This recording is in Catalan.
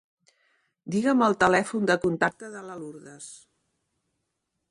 Digues-me el telèfon de contacte de la Lourdes.